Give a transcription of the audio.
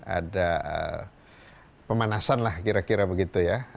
ada pemanasan lah kira kira begitu ya